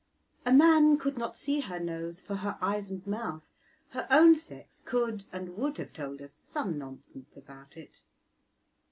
A man could not see her nose for her eyes and mouth; her own sex could, and would have told us some nonsense about it.